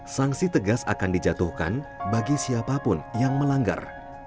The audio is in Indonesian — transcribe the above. sanksi tegas akan dijatuhkan bagi siapapun yang melanggar